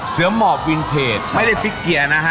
เสือหมอบวินเทจไม่ได้ฟิกเกียร์นะฮะ